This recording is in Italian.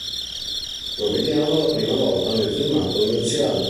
Lo vediamo la prima volta nel filmato iniziale.